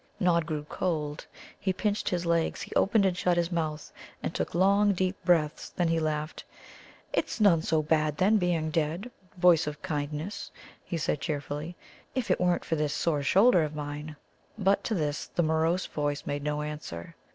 Nod grew cold. He pinched his legs; he opened and shut his mouth, and took long, deep breaths; then he laughed. "It's none so bad, then, being dead, Voice of Kindness," he said cheerfully, "if it weren't for this sore shoulder of mine." But to this the morose voice made no answer.